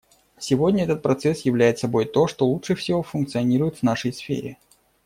Сегодня этот процесс являет собой то, что лучше всего функционирует в нашей сфере.